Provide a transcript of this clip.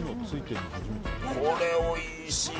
これおいしい。